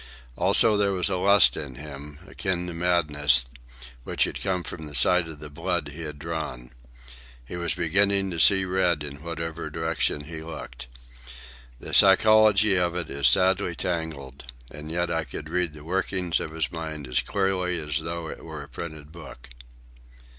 Also there was a lust in him, akin to madness, which had come with sight of the blood he had drawn. He was beginning to see red in whatever direction he looked. The psychology of it is sadly tangled, and yet I could read the workings of his mind as clearly as though it were a printed book.